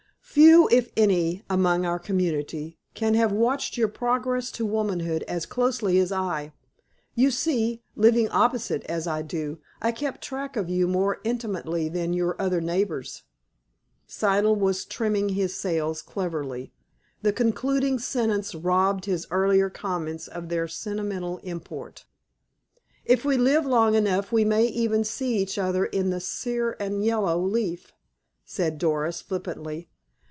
Few, if any, among our community can have watched your progress to womanhood as closely as I. You see, living opposite, as I do, I kept track of you more intimately than your other neighbors." Siddle was trimming his sails cleverly. The concluding sentence robbed his earlier comments of their sentimental import. "If we live long enough we may even see each other in the sere and yellow leaf," said Doris flippantly.